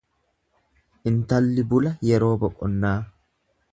Intalli bula yeroo boqonnaa.